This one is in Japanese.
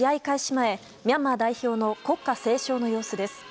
前ミャンマー代表の国歌斉唱の様子です。